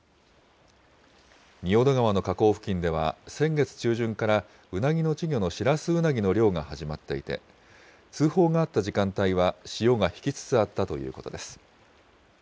仁淀川の河口付近では先月中旬から、うなぎの稚魚のシラスウナギの漁が始まっていて、通報があった時間帯は潮が引きつつあったということです。